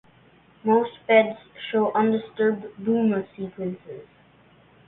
Most beds show undisturbed Bouma sequences.